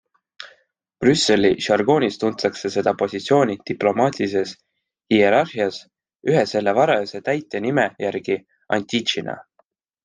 Brüsseli žargoonis tuntakse seda positsiooni diplomaatilises hierarhias ühe selle varase täitja nime järgi antici'na.